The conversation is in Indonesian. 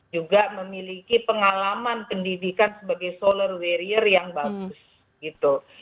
juga memiliki pengalaman pendidikan sebagai solar warrior yang bagus gitu